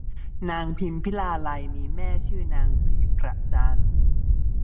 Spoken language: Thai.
นางพิมพิลาไลยมีแม่ชื่อนางศรีประจัน